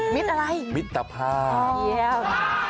มิตรอะไรมิตรตรภาพ